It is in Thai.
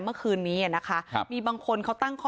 เมื่อคืนนี้นะคะมีบางคนเขาตั้งข้อ